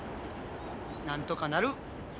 なんとかなる。